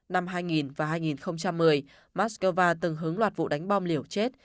vì vậy moscow từng hướng loạt vụ đánh bom liều chết